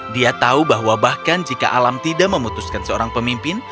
dia tahu bahwa bahkan jika alam tidak memutuskan seorang pemimpin